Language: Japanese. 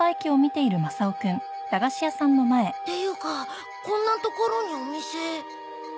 っていうかこんな所にお店。